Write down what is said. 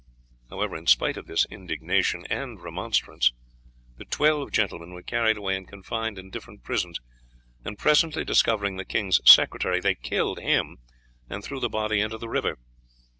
However, in spite of his indignation and remonstrance, the twelve gentlemen were carried away and confined in different prisons; and presently discovering the king's secretary, they killed him and threw the body into the river.